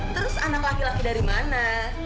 terus anak laki laki dari mana